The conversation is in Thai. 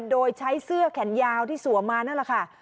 โดยใช้เสื้อแขนยาวที่สวมมานั่นแหละค่ะ